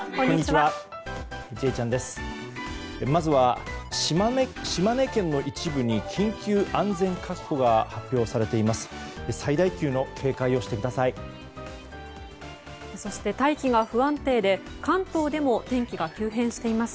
まずは、島根県の一部に緊急安全確保が発表されています。